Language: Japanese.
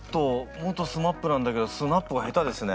元ＳＭＡＰなんだけどスナップが下手ですね。